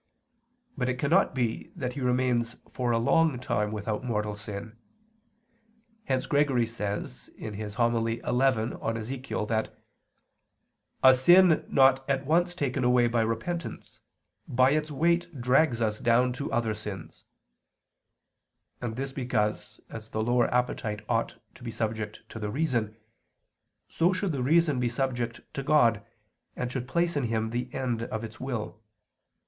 But it cannot be that he remains for a long time without mortal sin. Hence Gregory says (Super Ezech. Hom. xi) that "a sin not at once taken away by repentance, by its weight drags us down to other sins": and this because, as the lower appetite ought to be subject to the reason, so should the reason be subject to God, and should place in Him the end of its will.